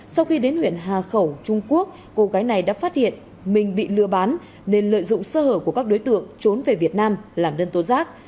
sau khi đến huyện hà khẩu trung quốc cô gái này đã phát hiện mình bị lừa bán nên lợi dụng sơ hở của các đối tượng trốn về việt nam làm đơn tố giác